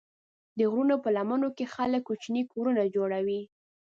د غرونو په لمنو کې خلک کوچني کورونه جوړوي.